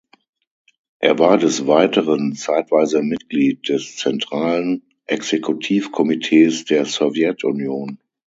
Er war des Weiteren zeitweise Mitglied des Zentralen Exekutivkomitees der Sowjetunion.